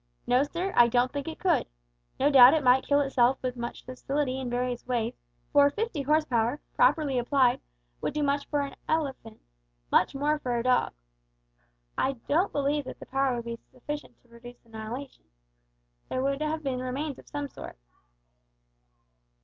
"No, sir, I don't think it could. No doubt it might kill itself with much facility in various ways, for fifty horsepower, properly applied, would do for an elephant, much more a dog. But I don't believe that power to be sufficient to produce annihilation. There would have been remains of some sort."